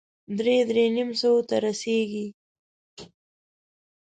درې- درې نيم سوه ته رسېږي.